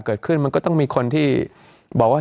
เกิดขึ้นมันก็ต้องมีคนที่บอกว่า